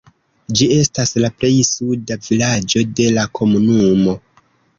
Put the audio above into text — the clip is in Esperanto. Ĝi estas la plej suda vilaĝo de la komunumo.